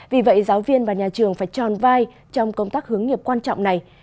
vì vậy giáo viên và nhà trường phải tròn vai trong công tác hướng nghiệp quan trọng này